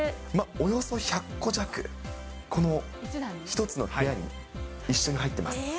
およそ１００個弱、この１つの部屋に一緒に入ってます。